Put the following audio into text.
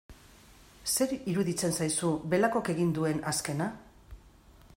Zer iruditzen zaizu Belakok egin duen azkena?